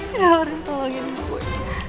tidak harus tolongin gue